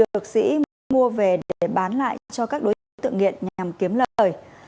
được sĩ mua về để bán lại cho các đối tượng nghiện nhằm kiếm lời